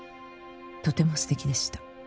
「とても素敵でした」